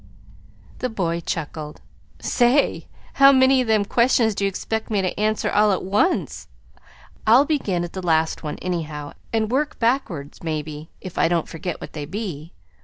The boy chuckled. "Say, how many of them questions do you expect me to answer all at once? I'll begin at the last one, anyhow, and work backwards, maybe, if I don't forget what they be.